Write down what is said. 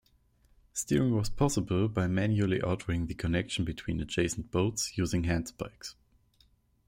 Steering was possible by manually altering the connection between adjacent boats, using handspikes.